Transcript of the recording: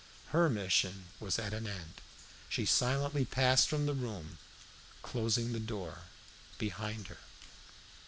Her mission was at an end. She silently passed from the room, closing the door behind her.